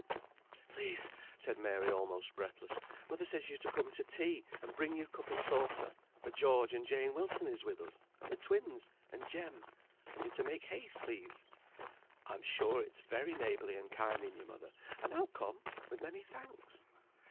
"Please," said Mary, almost breathless, "mother says you're to come to tea, and bring your cup and saucer, for George and Jane Wilson is with us, and the twins, and Jem. And you're to make haste, please." "I'm sure it's very neighbourly and kind in your mother, and I'll come, with many thanks.